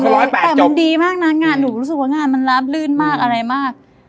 เต็มเลยแต่มันดีมากนะงานหนูรู้สึกว่างานมันร้ำลื่นมากอะไรมาก